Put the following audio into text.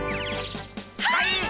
はい！